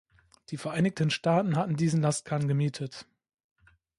Die Vereinigten Staaten hatten diesen Lastkahn gemietet.